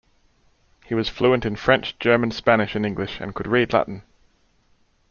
He was fluent in French, German, Spanish, and English and could read Latin.